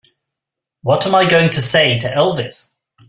What am I going to say to Elvis?